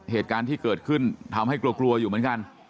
เหตุการณ์ที่เกิดขึ้นทำให้กลัวกลัวอยู่เหมือนกัน